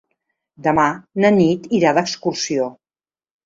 Demà na Nit irà d'excursió.